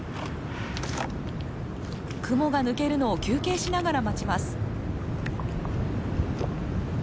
雲が抜けるのを休憩しながら待ちます。